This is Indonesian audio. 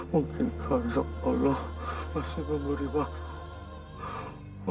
mungkin karena allah masih memberi waktu